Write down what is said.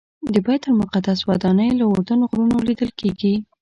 د بیت المقدس ودانۍ له اردن غرونو لیدل کېږي.